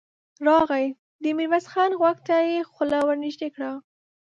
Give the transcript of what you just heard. راغی، د ميرويس خان غوږ ته يې خوله ور نږدې کړه.